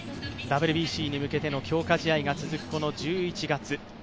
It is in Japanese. ＷＢＣに向けての強化試合が続く１１月。